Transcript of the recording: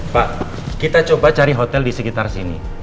pak kita coba cari hotel disekitar sini